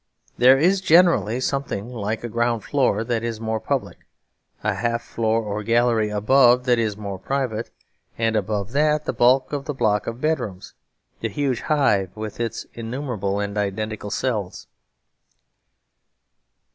There is generally something like a ground floor that is more public, a half floor or gallery above that is more private, and above that the bulk of the block of bedrooms, the huge hive with its innumerable and identical cells.